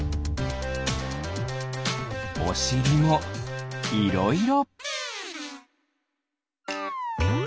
おしりもいろいろ。